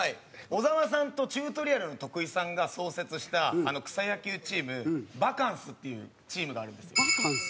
小沢さんとチュートリアルの徳井さんが創設した草野球チームバカンスっていうチームがあるんですよ。